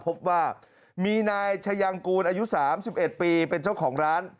พบว่ามีนายชายังกูลอายุ๓๑ปีเป็นเจ้าของร้าน